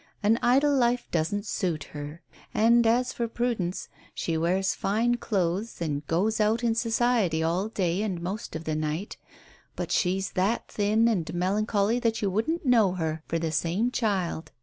An idle life doesn't suit her; and as for Prudence, she wears fine clothes, and goes out in society all day and most of the night, but she's that thin and melancholy that you wouldn't know her for the same child.